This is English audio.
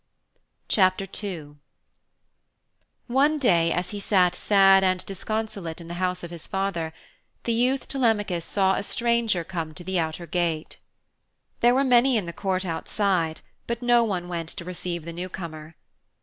II One day, as he sat sad and disconsolate in the house of his father, the youth Telemachus saw a stranger come to the outer gate. There were many in the court outside, but no one went to receive the newcomer.